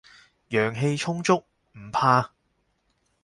陽氣充足，唔怕